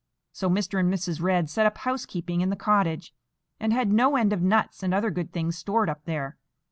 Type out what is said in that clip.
So Mr. and Mrs. Red set up housekeeping in the cottage, and had no end of nuts and other good things stored up there.